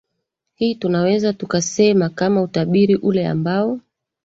hii tunaweza tukasema kama utabiri ule ambao